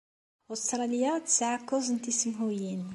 Ustṛalya tesɛa kuẓ n tisemhuyin?